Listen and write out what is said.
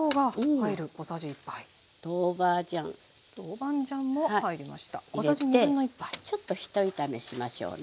入れてちょっとひと炒めしましょうね。